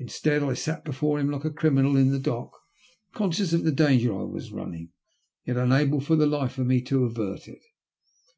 Listead, I sat before him like a criminal in the dock, conscious of the danger I was running, yet unable for the life of me to avert it.